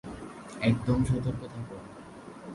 একদম সতর্ক থাক!